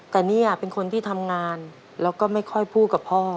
แต่นี่เป็นคนที่ทำงานแล้วก็ไม่ค่อยพูดกับพ่อ